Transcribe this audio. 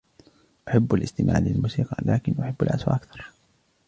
أحب الاستماع للموسيقى لكني أحب العزف أكثر.